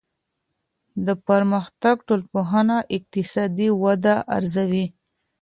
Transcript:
د پرمختګ ټولنپوهنه اقتصادي وده ارزوي.